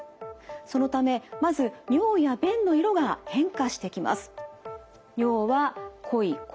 そのためまず尿や便の色が変化してきます。